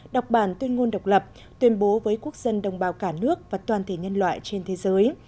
đọc bản tuyên ngôn độc lập tuyên bố với quốc dân đồng bào cả nước và toàn thể nhân loại trên thế giới